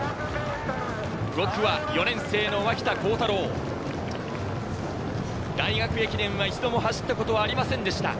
５区は４年生の脇田幸太朗、大学駅伝は一度も走ったことはありませんでした。